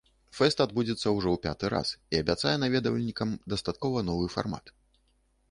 Фэст адбудзецца ўжо ў пяты раз і абяцае наведвальнікам дастаткова новы фармат.